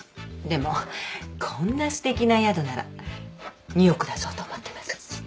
でもこんなすてきな宿なら２億出そうと思ってます。